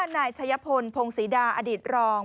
นายชัยพลพงศรีดาอดีตรอง